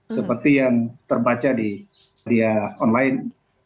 seperti yang terbaca di media online